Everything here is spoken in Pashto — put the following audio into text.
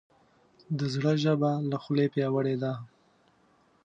د زړه ژبه له خولې پیاوړې ده.